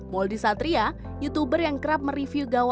mouldie satria youtuber yang kerap mereview gaya rambut